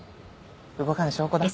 動かぬ証拠だ。